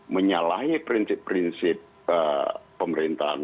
menyalahi prinsip prinsip pemerintahan